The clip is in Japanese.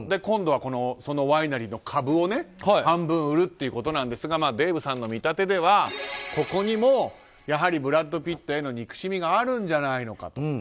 今度はワイナリーの株を半分売るということなんですがデーブさんの見立てではここにもブラピへの憎しみがあるんじゃないのかと。